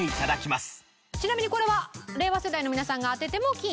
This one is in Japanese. ちなみにこれは。